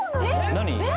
何？